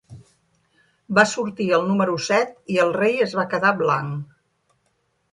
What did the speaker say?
Va sortir el número set i el rei es va quedar blanc.